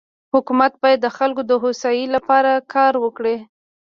حکومت بايد د خلکو دهوسايي لپاره کار وکړي.